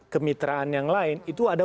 kemitraan yang lain itu ada